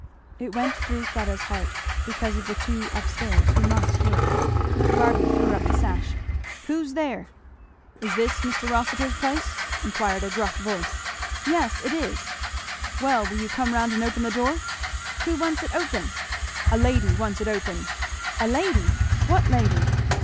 It went through Fleda's heart, because of the two up stairs who must hear it. Barby threw up the sash. "Who's there?" "Is this Mr. Rossitur's place?" enquired a gruff voice. "Yes, it is." "Well will you come round and open the door?" "Who wants it open?" "A lady wants it open?" "A lady! what lady?"